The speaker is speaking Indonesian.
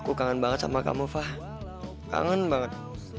aku kangen banget sama kamu fah kangen banget